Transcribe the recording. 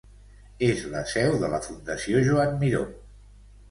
És la seu de la Fundació Joan Miró.